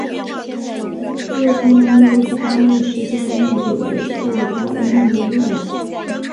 热通量密度是单位时间内流过单位面积的热量。